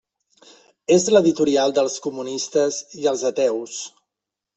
És l'editorial dels comunistes i els ateus.